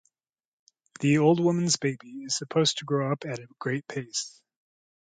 The old woman's baby is supposed to grow up at a great pace.